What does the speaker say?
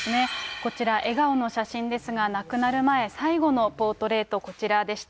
こちら、笑顔の写真ですが、亡くなる前、最後のポートレート、こちらでした。